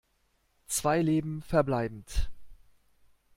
Zwei Leben verbleibend.